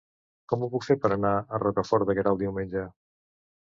Com ho puc fer per anar a Rocafort de Queralt diumenge?